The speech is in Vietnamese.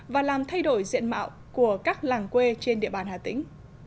và làm thay đổi diện mạo của các làng quê trên địa bàn hà tĩnh